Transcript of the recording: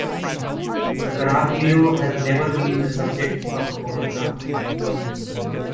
Caraglio has never been the subject of a monograph.